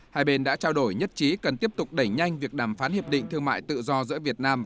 hai bên đã trao đổi nhất trí cần tiếp tục đẩy nhanh việc đàm phán hiệp định thương mại tự do giữa việt nam